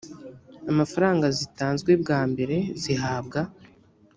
amafaranga zitanzwe bwa mbere zihabwa